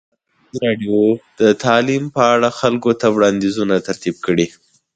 ازادي راډیو د تعلیم په اړه د خلکو وړاندیزونه ترتیب کړي.